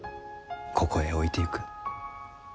ここへ置いてゆく。